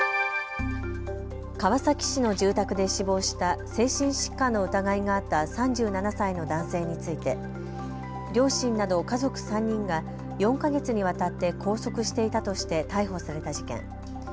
川崎市の住宅で死亡した精神疾患の疑いがあった３７歳の男性について両親など家族３人が４か月にわたって拘束していたとして逮捕された事件。